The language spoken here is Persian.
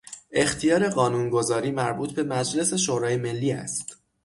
اختیار قانونگذاری مربوط به مجلس شورای ملی است.